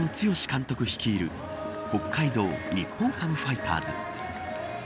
監督率いる北海道日本ハムファイターズ。